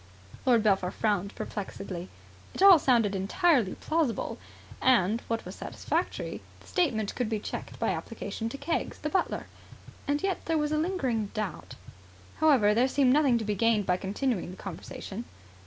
Lord Belpher frowned perplexedly. It all sounded entirely plausible. And, what was satisfactory, the statement could be checked by application to Keggs, the butler. And yet there was a lingering doubt. However, there seemed nothing to be gained by continuing the conversation.